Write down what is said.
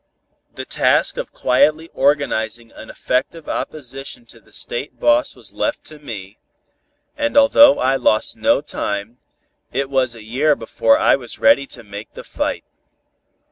The task of quietly organizing an effective opposition to the State boss was left to me, and although I lost no time, it was a year before I was ready to make the fight.